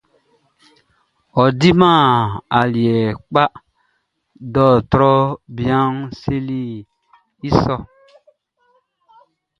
Ɔ diman aliɛ kpa, dɔrtrɔ bianʼn seli sɔ.